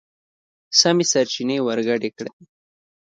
سمې سرچينې ورګډې کړئ!.